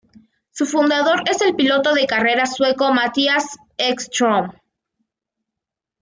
Su fundador es el piloto de carreras sueco Mattias Ekström.